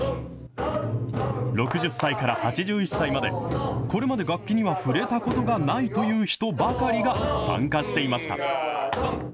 ６０歳から８１歳まで、これまで楽器には触れたことがないという人ばかりが参加していました。